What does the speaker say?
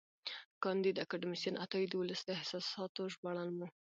کانديد اکاډميسن عطایي د ولس د احساساتو ژباړن و.